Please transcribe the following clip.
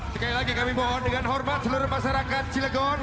sekali lagi kami mohon dengan hormat seluruh masyarakat cilegon